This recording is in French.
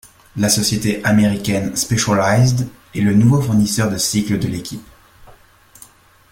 La société américaine Specialized est le nouveau fournisseur de cycles de l'équipe.